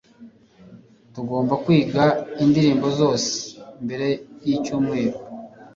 tugomba kwiga indirimbo zose mbere yicyumweru